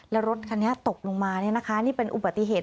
แล้วรถคันนี้ตกลงมานี่เป็นอุบัติเหตุ